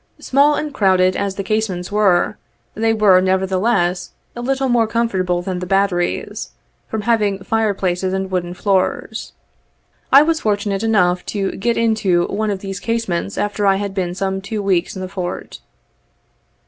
Small and crowded as the casemates were, they were, nevertheless, a little more comfortable than the bat teries, from having fire places and wooden floors. I was fortunate enough to get into one of these casemates after I had been some two weeks in the Fort.